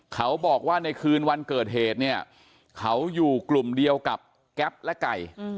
เขาบอกว่าในคืนวันเกิดเหตุเนี่ยเขาอยู่กลุ่มเดียวกับแก๊ปและไก่